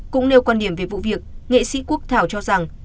cũng nêu quan điểm về vụ việc nghệ sĩ quốc thảo cho rằng